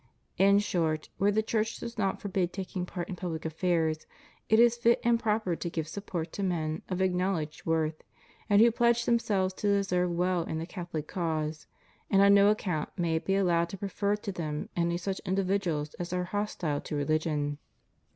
In short, where the Church does not forbid taking part in public affairs, it is fit and proper to give support to men of acknowledged worth, and who pledge themselves to deserve well in the Catholic cause, and on no account may it be allowed to prefer to them any such individuals as are hostile to religion.